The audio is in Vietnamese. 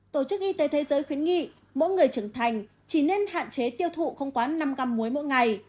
tổ chức y tế thế giới khuyến nghị mỗi người trưởng thành chỉ nên hạn chế tiêu thụ không quá năm găm muối mỗi ngày